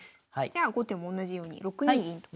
じゃあ後手もおんなじように６二銀と。